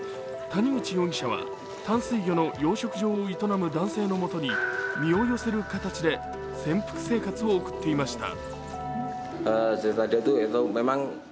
谷口容疑者は淡水魚の養殖場を営む男性のもとに身を寄せる形で潜伏生活を送っていました。